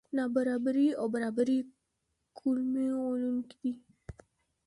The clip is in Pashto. نابرابري او برابري کلمې غولوونکې دي.